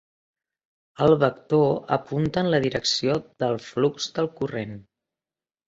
El vector apunta en la direcció del flux del corrent.